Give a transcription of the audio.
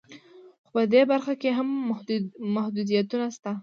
خو په دې برخه کې هم محدودیتونه شته